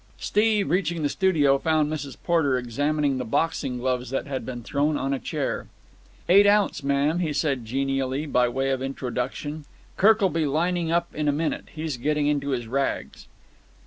Steve, reaching the studio, found Mrs. Porter examining the boxing gloves which had been thrown on a chair. "Eight ounce, ma'am," he said genially, by way of introduction. "Kirk'll be lining up in a moment. He's getting into his rags."